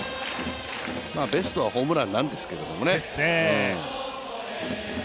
ベストはホームランなんですけどもね。